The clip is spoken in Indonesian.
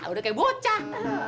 udah kayak bocah